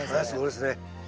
そうですね。